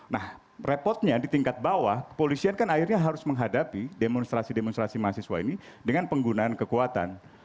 nah repotnya di tingkat bawah kepolisian kan akhirnya harus menghadapi demonstrasi demonstrasi mahasiswa ini dengan penggunaan kekuatan